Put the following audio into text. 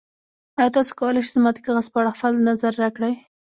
ایا تاسو کولی شئ زما د کاغذ په اړه خپل نظر راکړئ؟